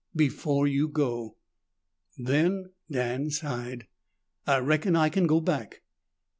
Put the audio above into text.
"Before you go." "Then," Dan sighed, "I reckon I can go back."